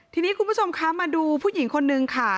ทีนี้คุณผู้ชมคะมาดูผู้หญิงคนนึงค่ะ